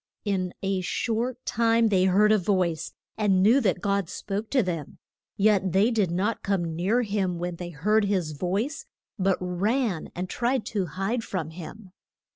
In a short time they heard a voice, and knew that God spoke to them. Yet they did not come near him when they heard his voice, but ran and tried to hide from him.